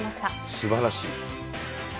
すばらしい。